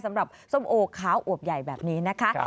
สำหรับส้มโอขาวอวบใหญ่แบบนี้